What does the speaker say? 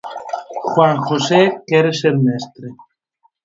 Juan José quere ser mestre.